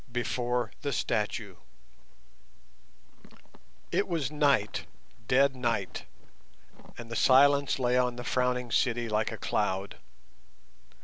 BEFORE THE STATUE It was night—dead night—and the silence lay on the Frowning City like a cloud.